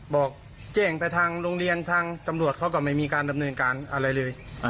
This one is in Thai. บอกแจ้งไปทางโรงเรียนทางตำรวจเขาก็ไม่มีการดำเนินการอะไรเลย